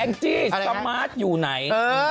แอ้นกจี้แอ้กจี้สมาร์ทอยู่ไหน